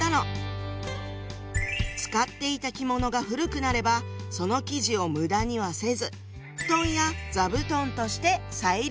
使っていた着物が古くなればその生地を無駄にはせず布団や座布団として再利用。